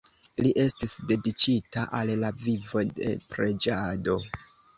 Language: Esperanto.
Li estis dediĉita al la vivo de preĝado.